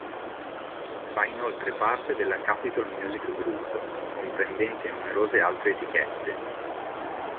Fa inoltre parte della Capitol Music Group, comprendente numerose altre etichette.